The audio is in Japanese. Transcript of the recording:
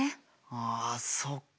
あそっか。